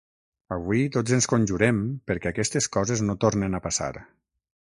Avui tots ens conjurem perquè aquestes coses no tornen a passar.